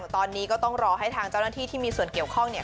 ตอนนี้ก็ต้องรอให้ทางเจ้าหน้าที่ที่มีส่วนเกี่ยวข้องเนี่ย